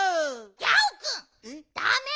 ギャオくんだめ！